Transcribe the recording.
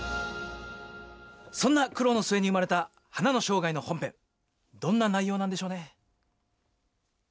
そんな苦労の末に生まれた「花の生涯」の本編どんな内容なんでしょうね？